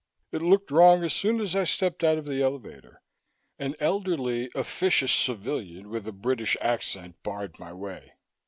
It looked wrong as soon as I stepped out of the elevator. An elderly, officious civilian with a British accent barred my way.